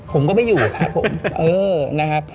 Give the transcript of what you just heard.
ผมก็ไม่อยู่ครับผม